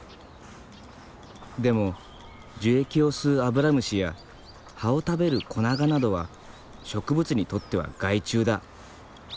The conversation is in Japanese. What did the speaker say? でも樹液を吸うアブラムシや葉を食べるコナガなどは植物にとっては害虫だ。